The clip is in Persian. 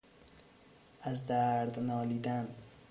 از درد نالیدن